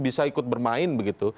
bisa ikut bermain begitu